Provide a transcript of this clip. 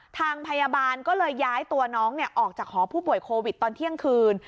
ทางพยาบาลก็เลยย้ายตัวน้องออกจากหอผู้ป่วยโควิดตอนเที่ยงคืน